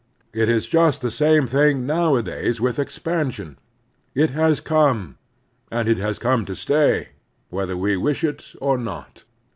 It is jiist the same thing nowadays with expansion. It has come, and it has come to stay, whether we wish it or not.